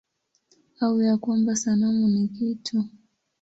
Au ya kwamba sanamu ni kitu?